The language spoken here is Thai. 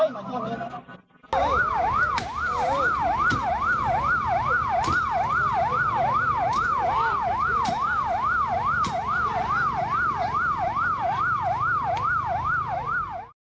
อ๊า่อออ